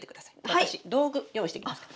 私道具用意してきますから。